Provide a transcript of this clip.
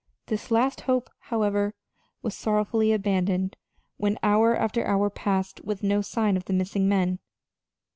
This last hope, however, was sorrowfully abandoned when hour after hour passed with no sign of the missing men.